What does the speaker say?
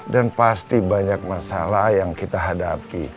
dan pasti banyak masalah yang kita hadapi